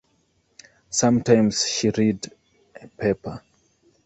Sometimes she read a paper.